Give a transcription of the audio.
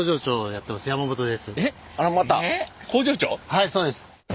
はいそうです。